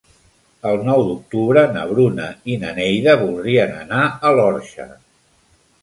El nou d'octubre na Bruna i na Neida voldrien anar a l'Orxa.